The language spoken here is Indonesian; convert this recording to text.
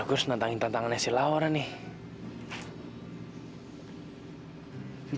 aduh gue harus nantangin tantangannya si laura nih